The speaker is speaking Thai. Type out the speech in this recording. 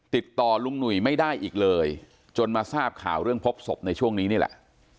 ติดต่อลุงหนุ่ยไม่ได้อีกเลยจนมาทราบข่าวเรื่องพบศพในช่วงนี้นี่แหละ